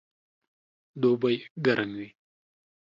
دوبئ ګرم وي